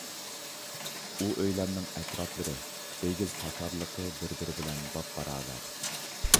ئۇ ئۆيلەرنىڭ ئەتراپلىرى، ئېگىز - پاكارلىقى بىر - بىرى بىلەن بابباراۋەر.